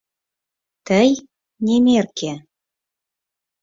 «Тый, немерке